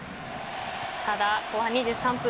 ただ後半２３分。